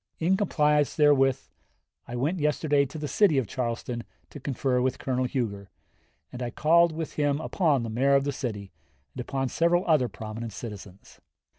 In compliance therewith I went yesterday to the city of Charleston to confer with Colonel Huger, and I called with him upon the Mayor of the city, and upon several other prominent citizens.